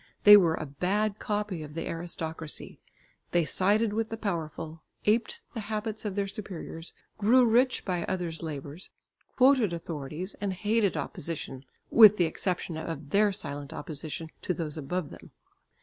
They were a bad copy of the aristocracy; they sided with the powerful, aped the habits of their superiors, grew rich by others' labours, quoted authorities and hated opposition with the exception of their silent opposition to those above them.